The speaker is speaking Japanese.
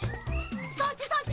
そっちそっち！